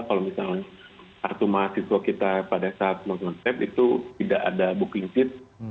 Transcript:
kalau misalnya kartu mahasiswa kita pada saat meng trap itu tidak ada booking seat